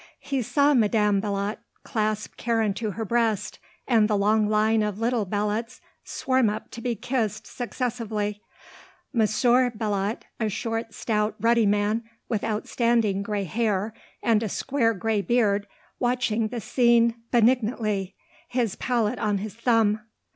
He saw Madame Belot clasp Karen to her breast and the long line of little Belots swarm up to be kissed successively, Monsieur Belot, a short, stout, ruddy man, with outstanding grey hair and a square grey beard, watching the scene benignantly, his palette on his thumb.